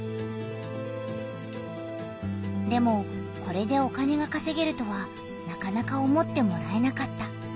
でもこれでお金がかせげるとはなかなか思ってもらえなかった。